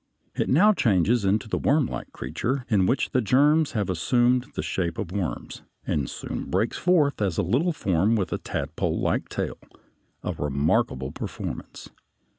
It now changes into a wormlike creature (D), in which the germs have assumed the shape of worms (a), and soon breaks forth as a little form with a tadpolelike tail (E) a remarkable performance.